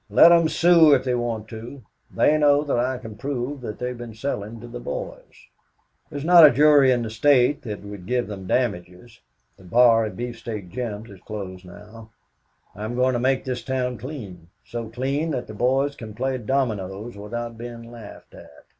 Let them sue if they want to. They know that I can prove that they've been selling to the boys. There's not a jury in the State that would give them damages. The bar at Beefsteak Jim's is closed now. I'm going to make this town clean, so clean that the boys can play dominoes without being laughed at.